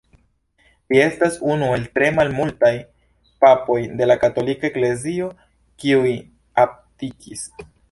Li estas unu el tre malmultaj papoj de la Katolika Eklezio, kiuj abdikis.